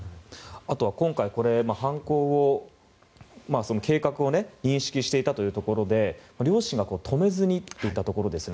あとは今回、犯行の計画を認識していたということで両親が止めずにといったところですね。